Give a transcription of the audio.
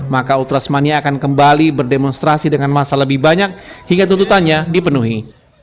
maka ultrasmania akan kembali berdemonstrasi dengan masa lebih banyak hingga tuntutannya dipenuhi